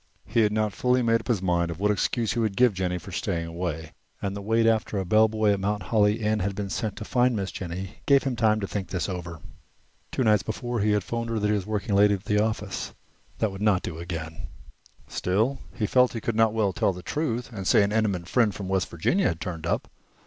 He had not fully made up his mind what excuse he would give Jennie for staying away, and the wait after a bellboy at Mount Holly Inn had been sent to find Miss Jennie gave him time to think this over. Two nights before he had 'phoned her that he was working late at the office. That would not do again. Still, he felt that he could not well tell the truth and say an intimate friend from West Virginia had turned up.